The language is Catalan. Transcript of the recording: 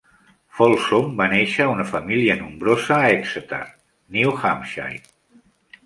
Folsom va néixer a una família nombrosa a Exeter, New Hampshire.